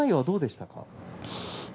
どうでしたか？